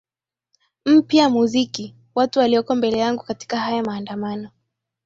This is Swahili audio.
mpya muziki watu walioko mbele yangu katika haya maandamano